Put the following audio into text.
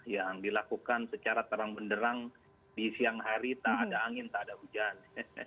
yang dilakukan secara terang benderang di siang hari tak ada angin tak ada hujan